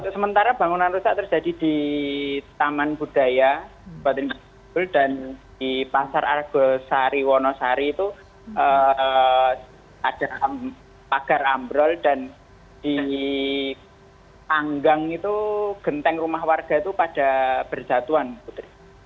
sementara bangunan rusak terjadi di taman budaya dan di pasar argosari wonosari itu ada pagar ambrol dan di panggang itu genteng rumah warga itu pada berjatuhan putri